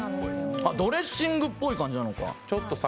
ドレッシングっぽい感じなのか。